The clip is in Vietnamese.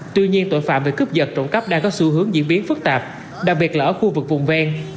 tuy nhiên tội phạm về cướp giật trộm cắp đang có xu hướng diễn biến phức tạp đặc biệt là ở khu vực vùng ven